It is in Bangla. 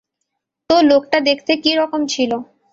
তো লোকটা দেখতে কি রকম ছিলো?